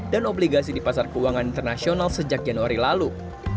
dan obligasi di pasar keuangan internasional sejak januari lalu